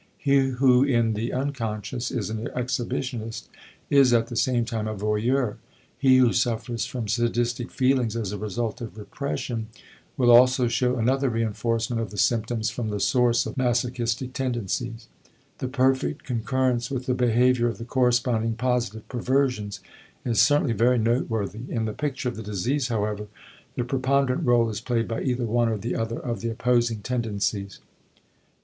He who in the unconscious is an exhibitionist is at the same time a voyeur, he who suffers from sadistic feelings as a result of repression will also show another reinforcement of the symptoms from the source of masochistic tendencies. The perfect concurrence with the behavior of the corresponding positive perversions is certainly very noteworthy. In the picture of the disease, however, the preponderant rôle is played by either one or the other of the opposing tendencies.